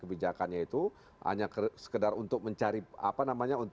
kebijakan kebijakannya itu hanya sekedar untuk mencari aman